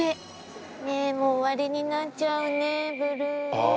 と、ねぇ、もう終わりになっちゃうね、ブルー。